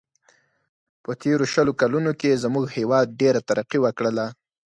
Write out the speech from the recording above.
په تېرو شلو کلونو کې زموږ هیواد ډېره ترقي و کړله.